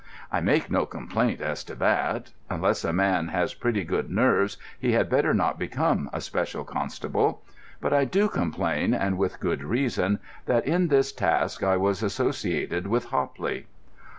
I make no complaint as to that. Unless a man has pretty good nerves he had better not become a special constable. But I do complain, and with good reason, that in this task I was associated with Hopley.